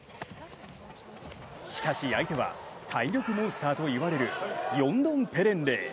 しかし相手は体力モンスターと言われるヨンドンペレンレイ。